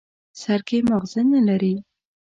سر کې ماغزه نه لري.